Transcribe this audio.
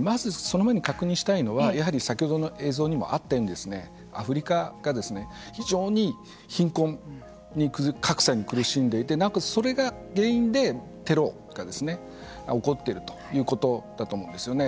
まず確認したいのはやはり先ほどの映像にもあったようにアフリカが非常に貧困格差に苦しんでいてなおかつ、それが原因でテロが起こっているということだと思うんですよね。